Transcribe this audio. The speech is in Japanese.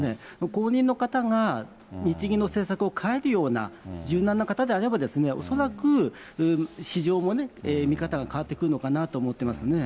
後任の方が日銀の政策を変えるような、柔軟な方であれば、恐らく市場も見方が変わってくるのかなと思ってますね。